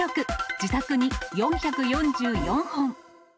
自宅に４４４本！